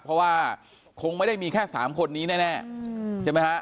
เพราะว่าคงไม่ได้มีแค่๓คนนี้แน่ใช่ไหมฮะ